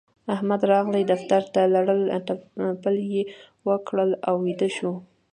احمد راغی دفتر ته؛ لړل تپل يې وکړل او ويده شو.